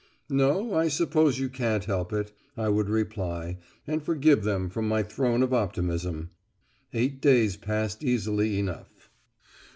"No, I suppose you can't help it," I would reply, and forgive them from my throne of optimism. Eight days passed easily enough.